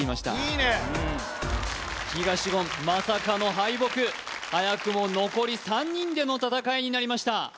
・いいね東言まさかの敗北早くも残り３人での戦いになりました